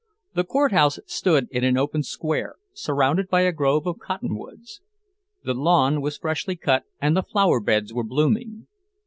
The Court house stood in an open square, surrounded by a grove of cotton woods. The lawn was freshly cut, and the flower beds were blooming.